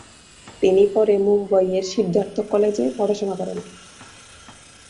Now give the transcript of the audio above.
তিনি পরে মুম্বইয়ের সিদ্ধার্থ কলেজে পড়াশোনা করেন।